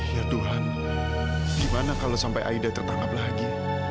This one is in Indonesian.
ya tuhan gimana kalau sampai aida tertangkap lagi